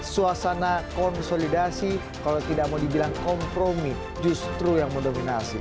suasana konsolidasi kalau tidak mau dibilang kompromi justru yang mendominasi